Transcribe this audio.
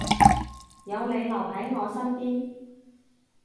有你留喺我身邊